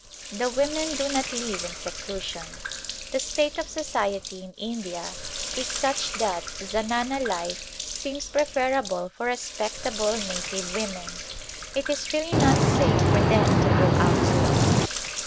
The women do not live in seclusion. The state of society in India is such that zanana life seems preferable for respectable native women. It is really not safe for them to go out alone.